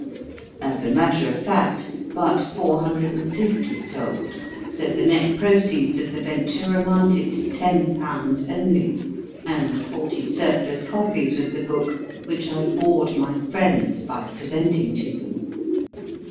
As a matter of fact, but H. RIDER HAGGARD 143 four hundred and fifty sold, so the net proceeds of the venture amounted to ten pounds only, and forty surplus copies of the book, which I bored my friends by presenting to them.